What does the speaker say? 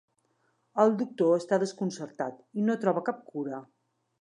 El doctor està desconcertat i no troba cap cura.